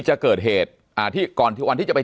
จนถึงปัจจุบันมีการมารายงานตัว